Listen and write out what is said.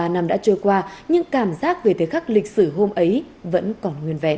bảy mươi ba năm đã trôi qua nhưng cảm giác về thế khắc lịch sử hôm ấy vẫn còn nguyên vẹn